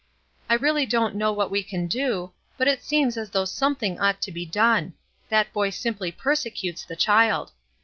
"I really don't know what we can do but it seems as though somethmg ought to be done that boy simply persecutes the child